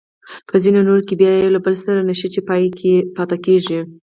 په ځینو نورو کې بیا یو له بل سره نښتې پاتې کیږي.